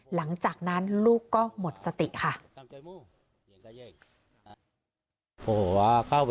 หลังจากนั้นลูกก็หมดสติค่ะ